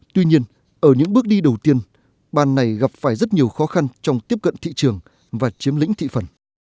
tuy nhiên ở những bước đi đầu tiên ban này gặp phải rất nhiều khó khăn trong tiếp cận thị trường và chiếm lĩnh thị phần